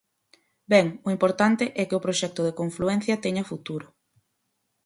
Ben, o importante é que o proxecto de confluencia teña futuro.